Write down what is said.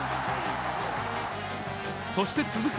そして続く